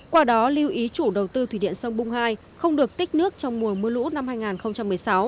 qua đó lưu ý chủ đầu tư thủy điện sông bung hai không được tích nước trong mùa mưa lũ năm hai nghìn một mươi sáu